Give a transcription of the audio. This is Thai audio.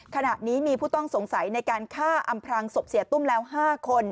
ขณะนี้มีผู้ต้องสงสัยในการฆ่าอำพรางศพเสียตุ้มแล้ว๕คน